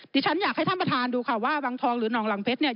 ดิฉันอยากให้ท่านประธานดูค่ะว่าวังทองหรือหนองหลังเพชรเนี่ย